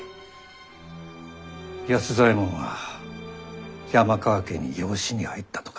安左衛門は山川家に養子に入ったとか。